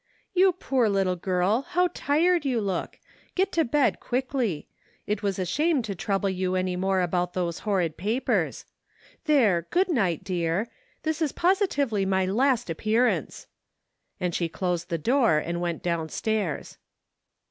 " You poor little girl, how tired you look. Get to bed quickly. It was a shame to trouble you any more about those horrid papers. There, good night, dear! This is positively my last appearance," and she dosed the door and went downstairs.